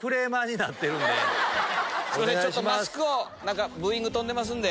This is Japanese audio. マスクをブーイング飛んでますんで。